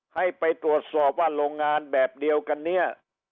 ให้ไปตรวจสอบว่าโรงงานแบบเดียวกันเนี่ย